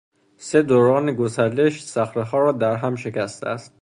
سه دوران گسلش صخرهها را درهم شکسته است.